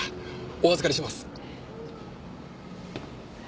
お預かりします。